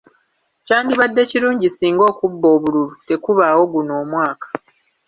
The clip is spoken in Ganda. Kyandibadde kirungi singa okubba obululu tekubaawo guno omwaka .